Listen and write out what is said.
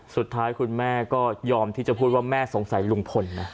สุดท้ายคุณแม่ก็ยอมที่จะพูดว่าแม่สงสัยลุงพลนะ